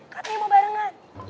katanya mau barengan